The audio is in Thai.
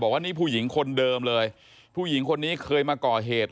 ว่านี่ผู้หญิงคนเดิมเลยผู้หญิงคนนี้เคยมาก่อเหตุ